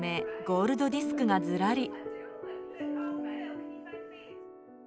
ゴールドディスクがずらり。